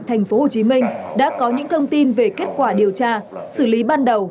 tp hcm đã có những thông tin về kết quả điều tra xử lý ban đầu